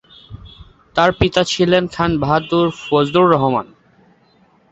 তার পিতা ছিলেন খান বাহাদুর ফজলুর রহমান।